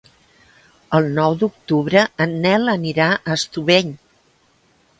El nou d'octubre en Nel anirà a Estubeny.